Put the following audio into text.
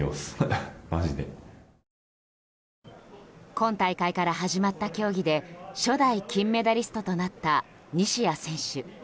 今大会から始まった競技で初代金メダリストとなった西矢選手。